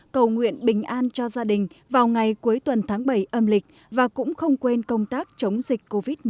cầu nguyện bình an cho gia đình vào ngày cuối tuần tháng bảy âm lịch và cũng không quên công tác chống dịch covid một mươi chín